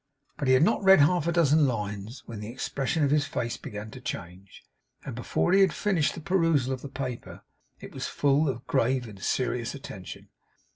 But he had not read half a dozen lines when the expression of his face began to change, and before he had finished the perusal of the paper, it was full of grave and serious attention.